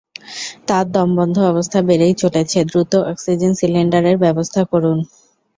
তার দমবন্ধ অবস্থা বেড়েই চলেছে, দ্রুত অক্সিজেন সিলিন্ডারের ব্যাবস্থা করুন।